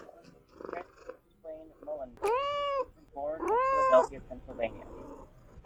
Francis Swaine Muhlenberg was born in Philadelphia, Pennsylvania.